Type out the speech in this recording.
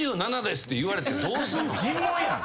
尋問やん。